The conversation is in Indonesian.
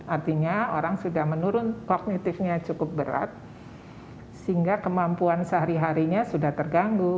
artinya orang sudah menurun kognitifnya cukup berat sehingga kemampuan sehari harinya sudah terganggu